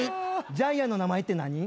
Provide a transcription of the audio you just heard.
ジャイアンの名前って何？